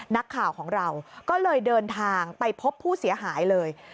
นักข่าวของเราก็เลยเดินทางไปพบผู้เสียหายเลย